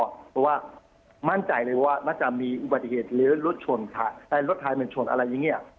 บอกว่ามั่นใจเลยว่าน่าจะมีอุบัติเหตุหรือรถถ่ายเหมือนชนอะไรอย่างนี้